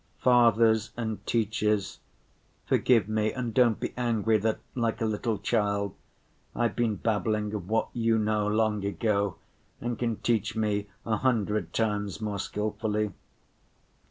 Fathers and teachers, forgive me and don't be angry, that like a little child I've been babbling of what you know long ago, and can teach me a hundred times more skillfully.